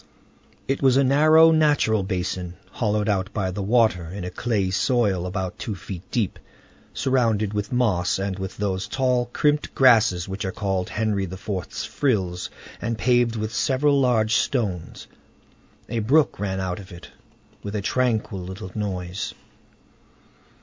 It was a narrow, natural basin, hollowed out by the water in a clayey soil, about two feet deep, surrounded with moss and with those tall, crimped grasses which are called Henry IV.'s frills, and paved with several large stones. A brook ran out of it, with a tranquil little noise.